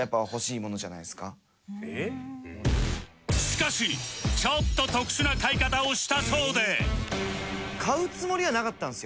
しかしちょっと特殊な買い方をしたそうで